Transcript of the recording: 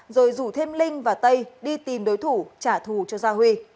rồi rủ thêm linh và tây đi tìm đối thủ trả thù cho gia huy